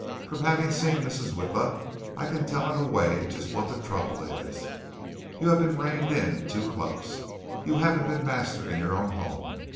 From having seen Mrs. Witla, I can tell in a way just what the trouble is. You have been reined in too close. You haven't been master in your own home.